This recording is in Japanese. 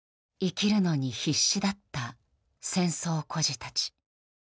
生きるのに必死だった戦争孤児たち。